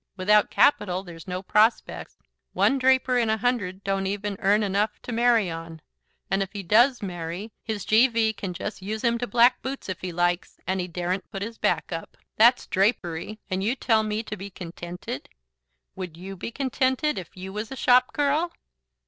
Without capital there's no prospects; one draper in a hundred don't even earn enough to marry on; and if he DOES marry, his G.V. can just use him to black boots if he likes, and he daren't put his back up. That's drapery! And you tell me to be contented. Would YOU be contented if you was a shop girl?"